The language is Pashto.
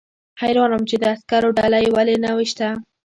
حیران وم چې د عسکرو ډله یې ولې ونه ویشته